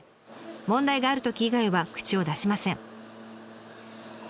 問題があるとき以外は口を出しません。